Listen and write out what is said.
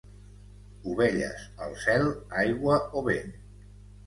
Ovelles al cel, aigua o vent.